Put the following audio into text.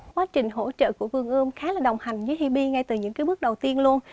quá trình hỗ trợ của vườn ươm khá là đồng hành với hip ngay từ những bước đầu tiên luôn